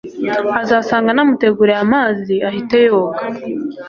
Azasanga namuteguriye amazi ahite yoga